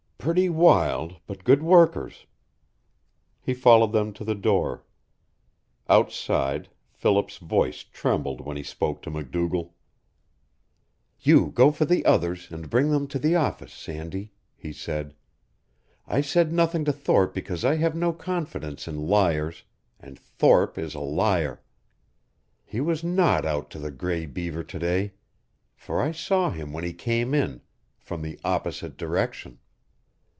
"Pretty wild, but good workers." He followed them to the door. Outside, Philip's voice trembled when he spoke to MacDougall. "You go for the others, and bring them to the office, Sandy," he said. "I said nothing to Thorpe because I have no confidence in liars, and Thorpe is a liar. He was not out to the Gray Beaver to day; for I saw him when he came in from the opposite direction.